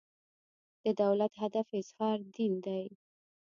د دولت هدف اظهار دین دی.